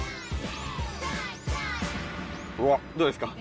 どうですか？